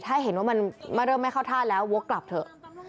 ถ้าเห็นว่ามันเริ่มไม่เข้าท่าแล้ววกกลับเถอะ